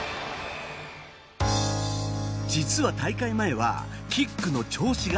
実は、大会前はキックの調子がいまひとつ。